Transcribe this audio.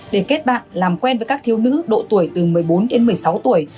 để kết bạn làm quen với các thiếu nữ độ tuổi từ một mươi bốn đến một mươi sáu tuổi